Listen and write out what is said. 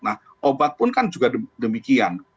nah obat pun kan juga demikian